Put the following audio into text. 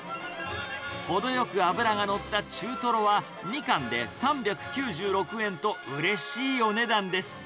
ほどよく脂が乗った中トロは、２貫で３９６円と、うれしいお値段です。